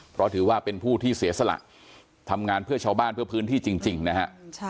เพราะถือว่าเป็นผู้ที่เสียสละทำงานเพื่อชาวบ้านเพื่อพื้นที่จริงนะฮะ